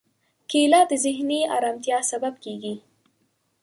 کېله د ذهني ارامتیا سبب کېږي.